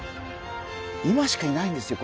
今しかいないんですよ